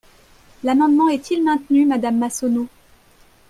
L’amendement est-il maintenu, madame Massonneau?